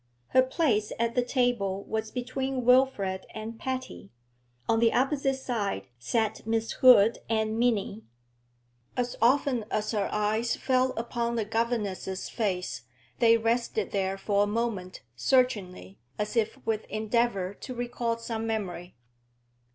Her place at the table was between Wilfrid and Patty; on the opposite side sat Miss Hood and Minnie. As often as her eyes fell upon the governess's face, they rested there for a moment, searchingly, as if with endeavour to recall some memory.